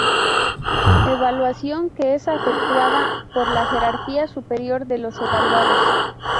Evaluación que es efectuada por la jerarquía superior de los evaluados.